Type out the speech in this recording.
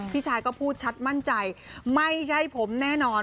พี่ชายก็พูดชัดมั่นใจไม่ใช่ผมแน่นอน